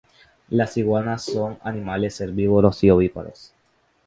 Las iguanas son animales herbívoros y ovíparos.